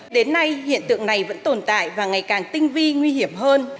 đến nay hiện tượng này vẫn tồn tại và ngày càng tinh vi nguy hiểm hơn